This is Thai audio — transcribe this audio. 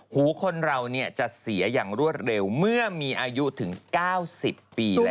หูคนเราจะเสียอย่างรวดเร็วเมื่อมีอายุถึง๙๐ปีแล้ว